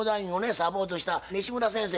サポートした西村先生